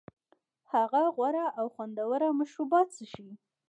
هغه غوره او خوندور مشروبات څښي